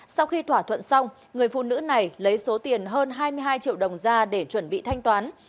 sau khi thỏa thuận xong người phụ nữ này lấy số tiền hơn hai mươi hai triệu đồng ra để chuẩn bị thanh toán